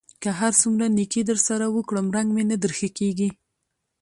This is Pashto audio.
که هر څومره نېکي در سره وکړم؛ رنګ مې نه در ښه کېږي.